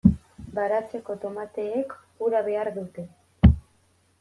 Baratzeko tomateek ura behar dute.